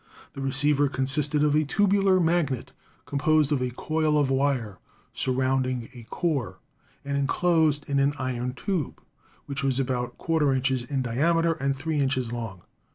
The receiver consisted of a tubular magnet, composed of a coil of wire, surrounding a core, and inclosed in an iron tube, which was about i}4 inches in diameter and 3 inches long.